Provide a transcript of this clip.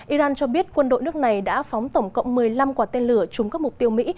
iran cho biết quân đội nước này đã phóng tổng cộng một mươi năm quả tên lửa chung các mục tiêu mỹ